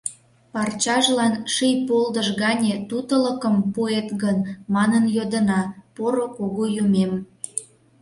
Парчажлан ший полдыш гане тутылыкым пуэт гын манын йодына, Поро Кугу Юмем.